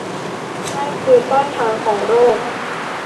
นั่นคือต้นทางของโรค